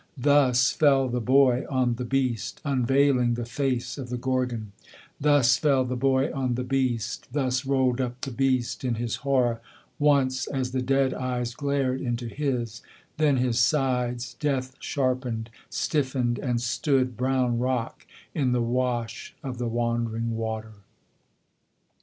Thus fell the boy on the beast, unveiling the face of the Gorgon; Thus fell the boy on the beast; thus rolled up the beast in his horror, Once, as the dead eyes glared into his; then his sides, death sharpened, Stiffened and stood, brown rock, in the wash of the wandering water.